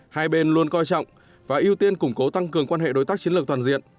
hai bên luôn coi trọng và ưu tiên củng cố tăng cường quan hệ đối tác chiến lược toàn diện